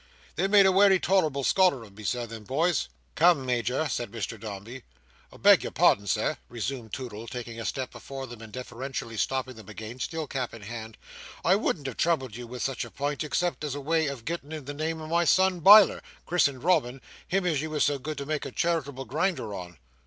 They've made a wery tolerable scholar of me, Sir, them boys." "Come, Major!" said Mr Dombey. "Beg your pardon, Sir," resumed Toodle, taking a step before them and deferentially stopping them again, still cap in hand: "I wouldn't have troubled you with such a pint except as a way of gettin' in the name of my son Biler—christened Robin—him as you was so good as to make a Charitable Grinder on."